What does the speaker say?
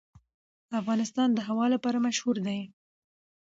افغانستان د هوا لپاره مشهور دی.